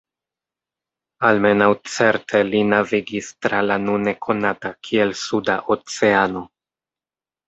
Almenaŭ certe li navigis tra la nune konata kiel Suda Oceano.